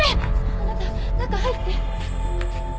あなた中入って。